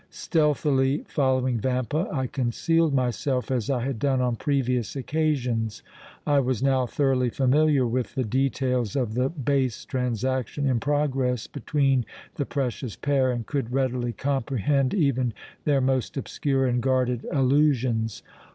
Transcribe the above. Stealthily following Vampa, I concealed myself as I had done on previous occasions. I was now thoroughly familiar with the details of the base transaction in progress between the precious pair and could readily comprehend even their most obscure and guarded allusions.